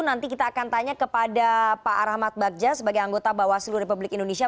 nanti kita akan tanya kepada pak rahmat bagja sebagai anggota bawaslu republik indonesia